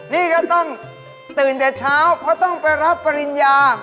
นี่ก็ต้องตื่นแต่เช้าเพราะต้องไปรับปริญญา